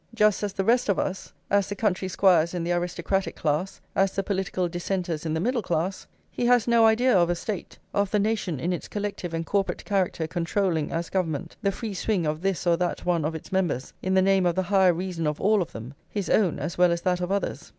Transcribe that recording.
Just as the rest of us, as the country squires in the aristocratic class, as the political dissenters in the middle class, he has no idea of a State, of the nation in its collective and corporate character controlling, as government, the free swing of this or that one of its members in the name of the higher reason of all of them, his own as well as that of others.